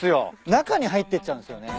中に入ってっちゃうんですよね。